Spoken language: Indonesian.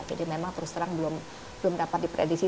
jadi memang terus terang belum dapat diprediksi